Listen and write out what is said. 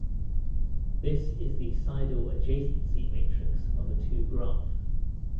This is the Seidel adjacency matrix of a two-graph.